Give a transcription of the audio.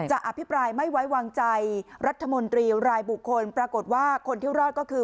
อภิปรายไม่ไว้วางใจรัฐมนตรีรายบุคคลปรากฏว่าคนที่รอดก็คือ